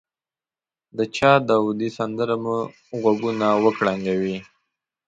د چا داودي سندره مو غوږونه وکړنګوي.